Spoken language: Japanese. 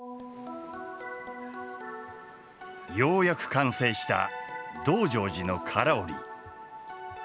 ようやく完成した「道成寺」の唐織。